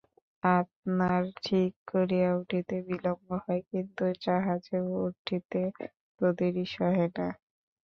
আপনার ঠিক করিয়া উঠিতে বিলম্ব হয়, কিন্তু জাহাজে উঠিতে তো দেরি সহে নাই।